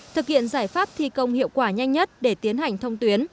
thực hiện giải pháp thi công hiệu quả nhanh nhất